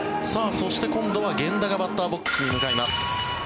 そして今度は源田がバッターボックスに向かいます。